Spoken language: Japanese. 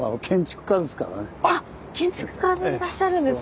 あっ建築家でいらっしゃるんですね。